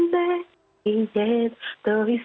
apa itu kita bisa ber consegulasi